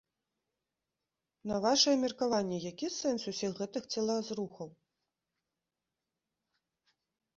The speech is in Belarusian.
На вашае меркаванне, які сэнс усіх гэтых целазрухаў?